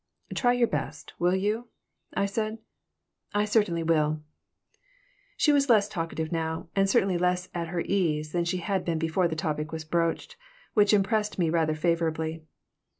"Try your best, will you?" I said. "I certainly will." She was less talkative now, and certainly less at her ease than she had been before the topic was broached, which impressed me rather favorably.